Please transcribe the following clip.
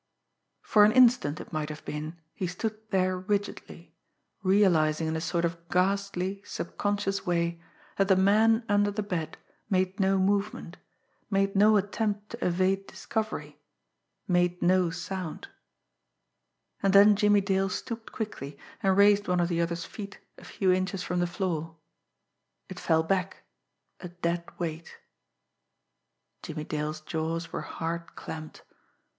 For an instant it might have been, he stood there rigidly, realising in a sort of ghastly, subconscious way that the man under the bed made no movement, made no attempt to evade discovery, made no sound; and then Jimmie Dale stooped quickly, and raised one of the other's feet a few inches from the floor. It fell back a dead weight. Jimmie Dale's jaws were hard clamped.